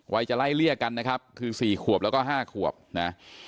วัยจะไล่เลี่ยกันนะครับคือ๔ขวบแล้วก็๕ขวบนะ